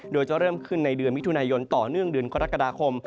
โดยจะเริ่มขึ้นในเดือนมิถุนายนต่อเนื่องเดือนกรกฎาคม